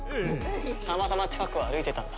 たまたま近くを歩いてたんだ。